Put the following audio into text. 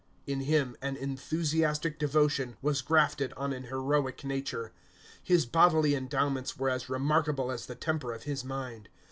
In him an enthusiastic devotion was grafted on an heroic nature. His bodily endowments were as remarkable as the temper of his mind.